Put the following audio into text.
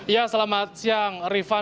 ya selamat siang rifana